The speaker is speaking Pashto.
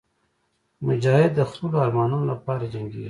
مجاهد د خپلو ارمانونو لپاره جنګېږي.